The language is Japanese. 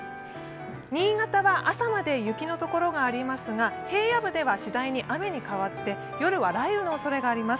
新潟は朝まで雪のところがありますが平野部ではしだいに雨に変わって、夜は雷雨のおそれがあります。